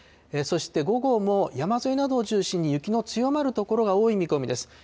そして午後も、山沿いなどを中心に、雪の強まる所が多い見込みです。